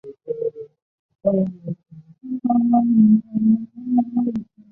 该站内亦设紧急车辆通道。